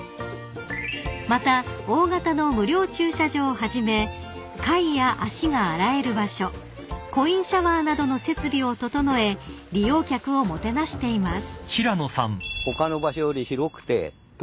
［また大型の無料駐車場をはじめ貝や足が洗える場所コインシャワーなどの設備を整え利用客をもてなしています］